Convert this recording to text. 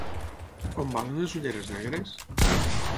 Quant valen les ulleres negres?